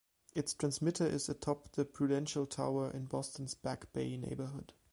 Its transmitter is atop the Prudential Tower in Boston's Back Bay neighborhood.